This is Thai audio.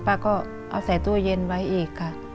ป้าก็เอาใส่ตู้เย็นไว้อีกค่ะ